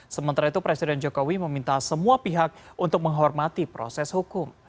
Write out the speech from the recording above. sementara itu presiden jokowi meminta semua pihak untuk menghormati proses hukum